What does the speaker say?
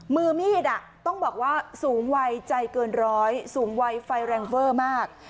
มือมีดต้องบอกว่าสูงวัยใจเกินร้อยสูงวัยไฟแรงเวอร์มาก